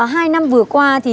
hai năm vừa qua